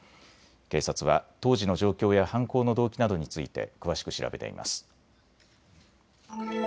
警察は当時の状況や犯行の動機などについて詳しく調べています。